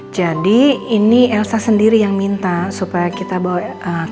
jadi ini elsa sendiri yang minta supaya keisha dibawa pulang